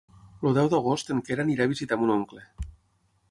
El deu d'agost en Quer anirà a visitar mon oncle.